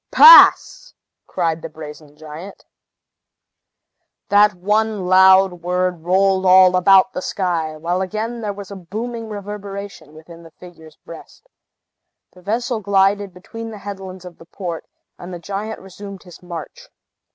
"Pass!" cried the brazen giant. That one loud word rolled all about the sky, while again there was a booming reverberation within the figure's breast. The vessel glided between the headlands of the port, and the giant resumed his march.